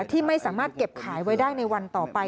ที่ไม่สามารถเก็บขายไว้ได้ในวันต่อไป